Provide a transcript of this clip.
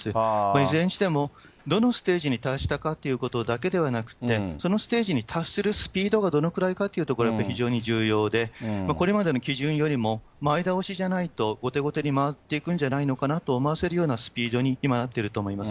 いずれにしても、どのステージに達したかということだけではなくて、そのステージに達するスピードがどのくらいかというところがやっぱり非常に重要で、これまでの基準よりも、前倒しじゃないと後手後手に回っていくんじゃないのかなと思わせるようなスピードに、今、なっていると思います。